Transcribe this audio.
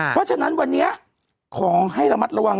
เพราะฉะนั้นวันนี้ขอให้ระมัดระวัง